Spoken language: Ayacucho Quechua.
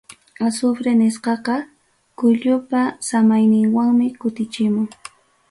Azufre nisqaqa kullupa samayninwanmi kutichimun.